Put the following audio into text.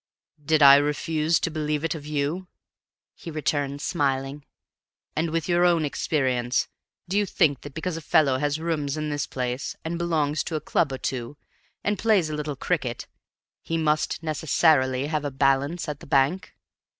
"Did I refuse to believe it of you?" he returned, smiling. "And, with your own experience, do you think that because a fellow has rooms in this place, and belongs to a club or two, and plays a little cricket, he must necessarily have a balance at the bank?